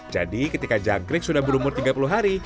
jadi ketika jangkrik sudah berumur tiga puluh hari